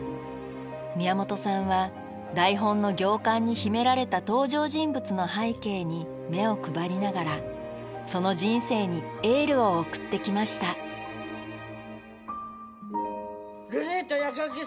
宮本さんは台本の行間に秘められた登場人物の背景に目を配りながらその人生にエールを送ってきました約束したんだ！